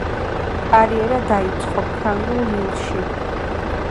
კარიერა დაიწყო ფრანგულ „ლილში“.